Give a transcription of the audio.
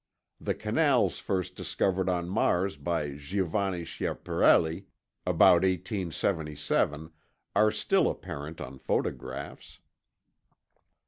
The canals first discovered on Mars by Giovanni Schiaparelli, about 1877, are still apparent on photographs.